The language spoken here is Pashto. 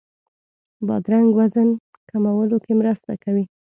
بادرنګ وزن کمولو کې مرسته کوي.